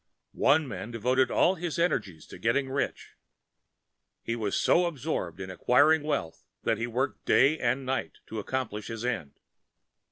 One Man devoted all his Energies to Getting Rich. He was so absorbed in Acquiring Wealth that he Worked Night and Day to Accomplish his End.